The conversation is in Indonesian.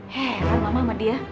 heran mama sama dia